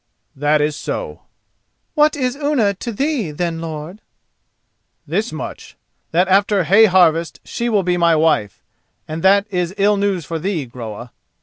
"That is so." "What is Unna to thee, then, lord?" "This much, that after hay harvest she will be my wife, and that is ill news for thee, Groa."